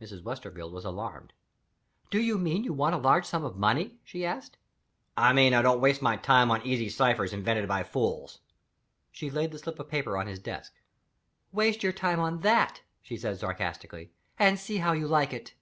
Mrs. Westerfield was alarmed. "Do you mean that you want a large sum of money?" she asked. "I mean that I don't waste my time on easy ciphers invented by fools." She laid the slip of paper on his desk. "Waste your time on that," she said satirically, "and see how you like it!"